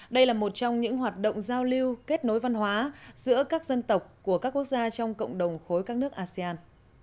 đây là một trong những hoạt động giao lưu kết nối văn hóa giữa các dân tộc của các quốc gia trong cộng đồng khối các nước asean